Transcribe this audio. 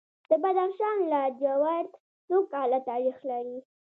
د بدخشان لاجورد څو کاله تاریخ لري؟